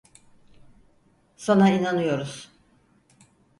Sana inanıyoruz.